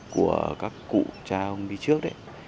của các cụ cha ông đi trước